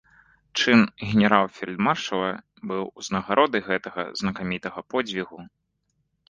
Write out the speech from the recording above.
Чын генерал-фельдмаршала быў узнагародай гэтага знакамітага подзвігу.